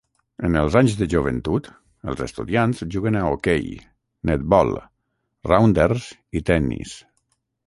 En els anys de joventut, els estudiants juguen a hoquei, netbol, rounders i tennis.